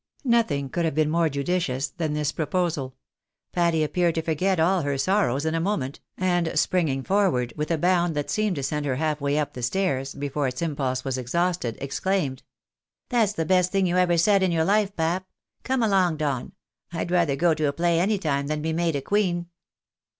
Nothing could have been more judicious than this proposal ; Patty appeared to forget aU her sorrows in a moment, and spring ing forward with a bound that seemed to send her half way up the stairs before its impulse was exhausted, exclaimed —" That's the best thing you ever said in your life, pap. Come along, Don ! I'd rather go to a play, any time, than be made a queen."